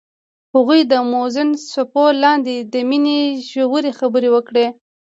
هغوی د موزون څپو لاندې د مینې ژورې خبرې وکړې.